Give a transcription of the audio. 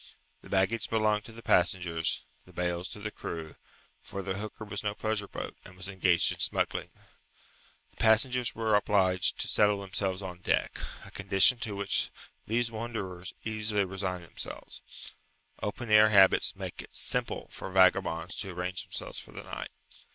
The baggage belonged to the passengers, the bales to the crew, for the hooker was no pleasure boat, and was engaged in smuggling. The passengers were obliged to settle themselves on deck, a condition to which these wanderers easily resigned themselves. Open air habits make it simple for vagabonds to arrange themselves for the night.